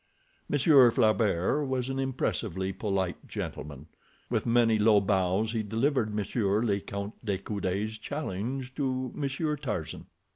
Monsieur Flaubert was an impressively polite gentleman. With many low bows he delivered Monsieur le Count de Coude's challenge to Monsieur Tarzan.